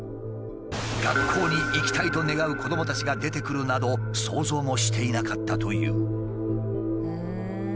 「学校に行きたい」と願う子どもたちが出てくるなど想像もしていなかったという。